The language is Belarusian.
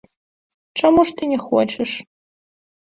Чаму ж ты не хочаш?